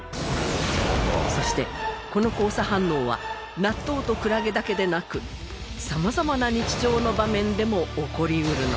そしてこの交差反応は納豆とクラゲだけでなく様々な日常の場面でも起こりうるのだ。